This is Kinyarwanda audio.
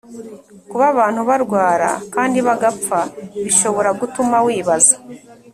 Kuba abantu barwara kandi bagapfa bishobora gutuma wibaza